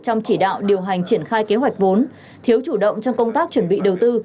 trong chỉ đạo điều hành triển khai kế hoạch vốn thiếu chủ động trong công tác chuẩn bị đầu tư